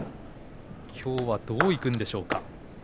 きょうはどういくんでしょうか。